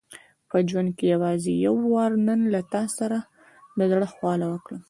په ژوند کې یوازې یو وار نن له تا سره د زړه خواله وکړم.